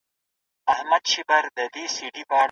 سپین موټر په لاره کې ډېر ګړندی روان و.